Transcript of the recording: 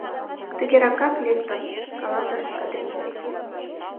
— Тыгеракак лектын, — каласыш Шадрин.